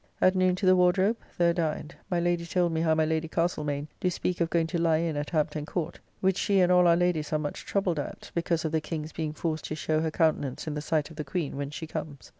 At noon to the Wardrobe; there dined. My Lady told me how my Lady Castlemaine do speak of going to lie in at Hampton Court; which she and all our ladies are much troubled at, because of the King's being forced to show her countenance in the sight of the Queen when she comes.